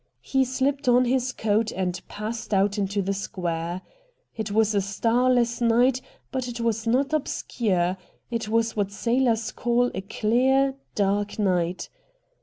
He shpped on his coat and passed out into the square. It was a starless night, but it was not obscure ; it was what sailors call a clear, dark night.